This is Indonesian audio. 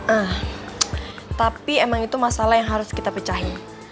ah tapi emang itu masalah yang harus kita pecahin